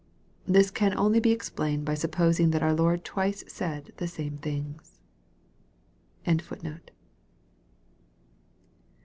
This can only be explained by supposing that our Lcrd twice said the same things.